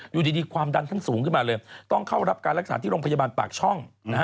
อยู่ดีความดันทั้งสูงขึ้นมาเลยต้องเข้ารับการรักษาที่โรงพยาบาลปากช่อง